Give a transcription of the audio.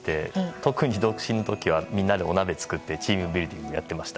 特に独身の時はみんなでお鍋作ってチームビルディングにやってました。